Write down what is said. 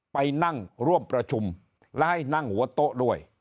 ไปนั่งร่วมประชุมและให้นั่งหัวโต๊ะด้วย